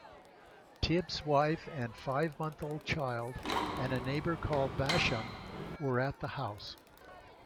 Tibbs's wife and five-month-old child and a neighbour called Basham were at the house.